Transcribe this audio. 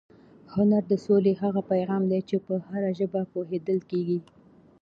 هنر د سولې هغه پیغام دی چې په هره ژبه پوهېدل کېږي.